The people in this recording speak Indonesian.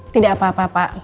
tidak apa apa pak